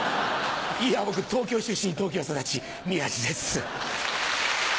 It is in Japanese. いや僕東京出身東京育ち宮治です。